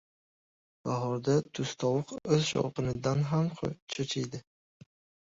• Bahorda tustovuq o‘z shovqinidan ham cho‘chiydi.